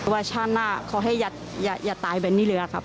ว่าชาติหน้าขอให้อย่าตายแบบนี้เลยครับ